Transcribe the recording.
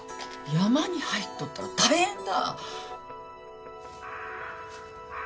山に入っとったら大変だ。